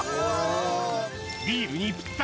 ビールにぴったり！